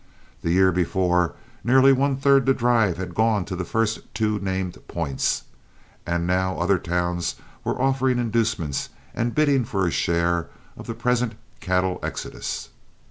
The year before nearly one third the drive had gone to the two first named points, and now other towns were offering inducements and bidding for a share of the present cattle exodus.